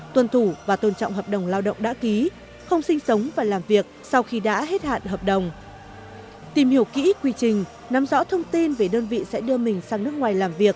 tuy nhiên người lao động cần phải thật sáng suốt tìm hiểu kỹ quy trình nắm rõ thông tin về đơn vị sẽ đưa mình sang nước ngoài làm việc